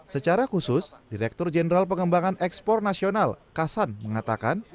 secara khusus direktur jenderal pengembangan ekspor nasional kasan mengatakan